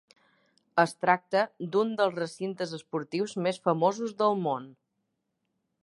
Es tracta d'un dels recintes esportius més famosos del món.